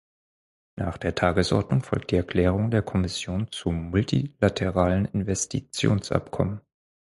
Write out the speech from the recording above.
Nach der Tagesordnung folgt die Erklärung der Kommission zum Multilateralen Investitionsabkommen.